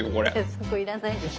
そこいらないでしょ。